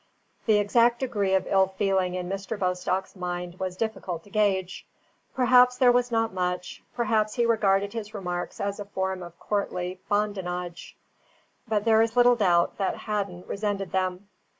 The exact degree of ill feeling in Mr. Bostock's mind was difficult to gauge; perhaps there was not much, perhaps he regarded his remarks as a form of courtly badinage. But there is little doubt that Hadden resented them.